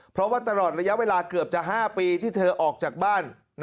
เพราะว่าตลอดระยะเวลาเกือบจะ๕ปีที่เธอออกจากบ้าน